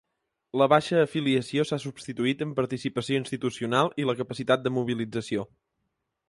La baixa afiliació s’ha substituït amb participació institucional i la capacitat de mobilització.